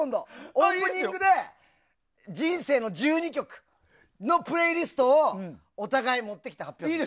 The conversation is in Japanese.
オープニングで人生の１２曲のプレイリストをお互い持ってきて発表する。